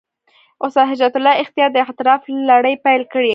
استاد هجرت الله اختیار د «اعتراف» لړۍ پېل کړې.